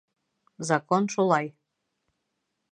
Закон шулай.